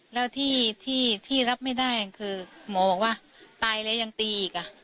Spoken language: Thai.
แล้วที่รับไม่ได้คือหมอบอกว่าตายแล้วยังตีอีก